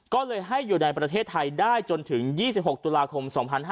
ก็เลยให้อยู่ในประเทศไทยได้จนถึง๒๖ตุลาคม๒๕๕๙